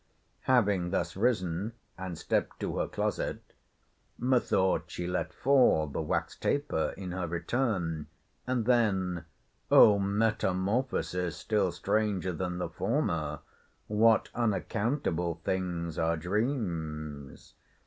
Having thus risen, and stept to her closet, methought she let fall the wax taper in her return; and then [O metamorphosis still stranger than the former! what unaccountable things are dreams!